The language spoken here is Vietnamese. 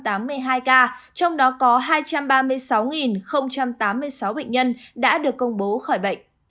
trong đó có hai trăm ba mươi sáu tám mươi sáu bệnh nhân đã được công bố khỏi bệnh